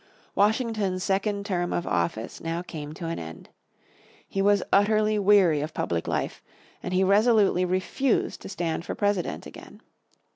Washington's second term of office now came to an end. He was utterly weary of public life, and he resolutely refused to stand for President again.